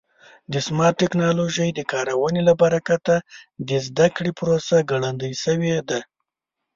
د سمارټ ټکنالوژۍ د کارونې له برکته د زده کړې پروسه ګړندۍ شوې ده.